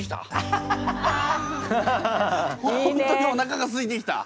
本当におなかがすいてきた。